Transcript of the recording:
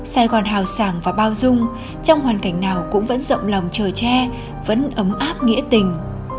sài gòn hào sàng và bao dung trong hoàn cảnh nào cũng vẫn rộng lòng chờ tre vẫn ấm áp nghĩa tình